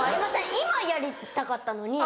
今やりたかったのに。